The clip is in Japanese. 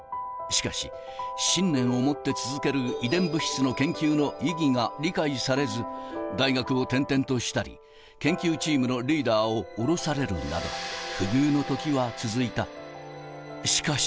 しかし、信念を持って続ける遺伝物質の研究の意義が理解されず、大学を転々としたり、研究チームのリーダーを降ろされるなど、不遇の時は続いた。